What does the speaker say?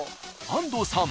［安藤さん。